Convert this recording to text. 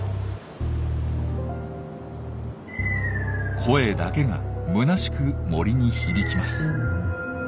声だけがむなしく森に響きます。